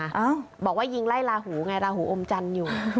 หรอกว่ายิงไล่ลาหูอมจันทร์อยู่